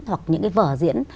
hoặc những cái vở diễn